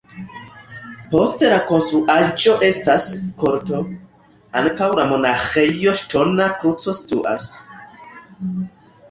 Post la konstruaĵo estas korto, antaŭ la monaĥejo ŝtona kruco situas.